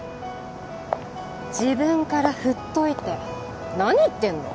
自分から振っといて何言ってるの？